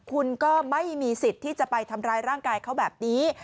คุณก็ไม่มีสิทธิ์ที่จะไปทำร้ายร่างกายเขาแบบนี้